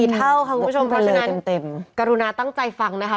เท่าค่ะคุณผู้ชมเพราะฉะนั้นกรุณาตั้งใจฟังนะคะ